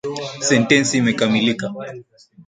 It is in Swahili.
Sentensi imekamilika.